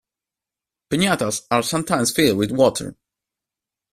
Pignatas are sometimes filled with water.